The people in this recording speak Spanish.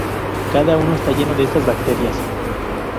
Cada uno está lleno de estas bacterias.